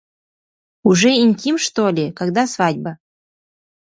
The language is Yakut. Уже интим что ли, когда свадьба